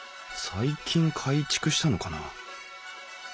最近改築したのかなあ。